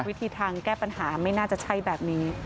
วิธีทางแก้ปัญหาไม่น่าจะใช่แบบนี้